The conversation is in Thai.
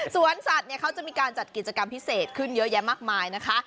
สวนสัตว์เนี่ยเขาจะมีการจัดกิจกรรมพิเศษขึ้นเยอะแยะมากมายนะคะ